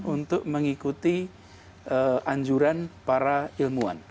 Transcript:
untuk mengikuti anjuran para ilmuwan